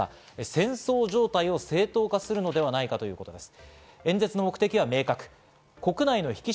戦争状態を正当化するのではないかということです。